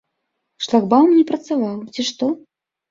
Шлагбаум не працаваў, ці што.